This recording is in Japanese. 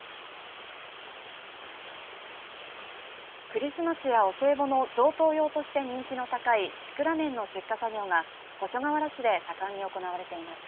クリスマスやお歳暮の贈答用として人気が高いシクラメンの出荷作業が五所川原市で盛んに行われています。